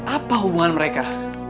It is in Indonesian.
apa hubungan mereka